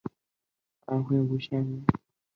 安徽歙县人。